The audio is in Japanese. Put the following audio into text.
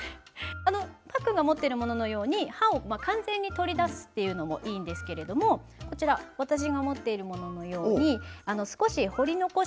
あのパックンが持ってるもののように歯を完全に取り出すっていうのもいいんですけれどもこちら私が持っているもののように少し掘り残して飾る。